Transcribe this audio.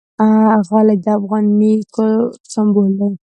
غالۍ د افغاني کور سِمبول ده.